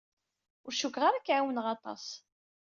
Ur cukkeɣ ara ak-ɛiwneɣ aṭas.